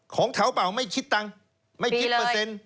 ของแถวเปล่าไม่คิดตังค์ไม่คิดเปอร์เซ็นต์